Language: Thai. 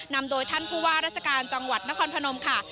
นำโดยท่านผู้ว่าราชการจังหวัดนครพนมค่ะ